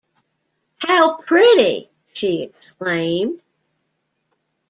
“How pretty!” she exclaimed.